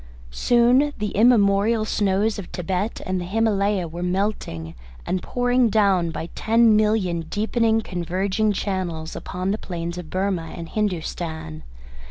Soon the immemorial snows of Thibet and the Himalaya were melting and pouring down by ten million deepening converging channels upon the plains of Burmah and Hindostan.